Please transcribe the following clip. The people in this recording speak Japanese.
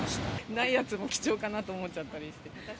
ないやつも貴重かなと思っちゃったりして。